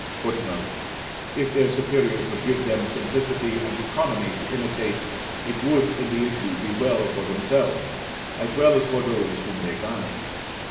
[Footnote: If their superiors would give them simplicity and economy to imitate, it would, in the issue, be well for themselves, as well as for those whom they guide.